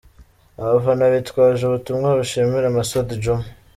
Abafana bitwaje ubutumwa bushimira Masud Djuma.